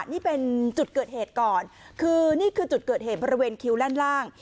นี่เป็นจุดเกิดเหตุก่อนคือนี่คือจุดเกิดเหตุบริเวณคิวด้านล่าง